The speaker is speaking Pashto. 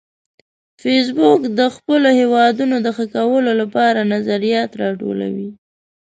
فېسبوک د خپلو هیوادونو د ښه کولو لپاره نظریات راټولوي